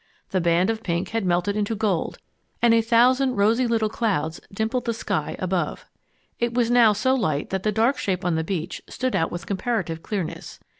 The band of pink had melted into gold, and a thousand rosy little clouds dimpled the sky above. It was now so light that the dark shape on the beach stood out with comparative clearness.